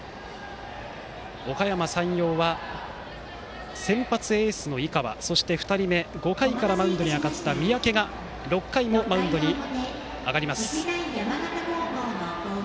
おかやま山陽は先発エースの井川そして２人目５回からマウンドに上がった三宅が６回のマウンドに上がります。